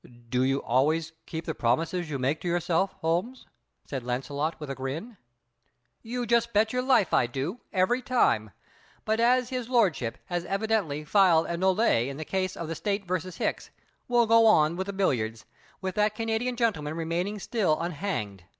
"Do you always keep the promises you make to yourself, Holmes?" said Launcelot, with a grin. "You just bet your life I do, every time! But as His Lordship has evidently filed a nolle in the case of The State vs. Hicks, we'll go on with the billiards, with that Canadian gentleman remaining still unhanged.